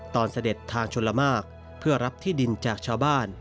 เสด็จทางชนละมากเพื่อรับที่ดินจากชาวบ้าน